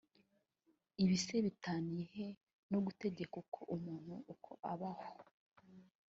Ibise bitaniyehe no gutegeka uko umuntu uko abaho